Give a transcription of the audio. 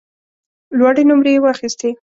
لوړې نمرې یې واخیستې.